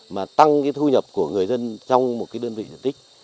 mà tăng cái thu nhập của người dân trong một cái đơn vị diện tích